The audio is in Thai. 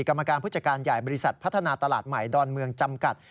กรรมการผู้จัดการใหญ่บริษัทพัฒนาตลาดใหม่ดอนเมืองจำกัด